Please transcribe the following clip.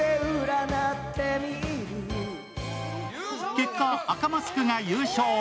結果、赤マスクが優勝。